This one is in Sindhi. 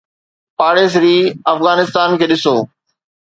پاڙيسري افغانستان کي ڏسو.